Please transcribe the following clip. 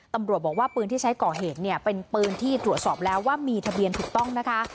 ตำรวจบอกว่าปืนที่ใช้ก่อเหตุเนี่ยเป็นปืนที่ตรวจสอบแล้วว่ามีทะเบียนถูกต้องนะคะ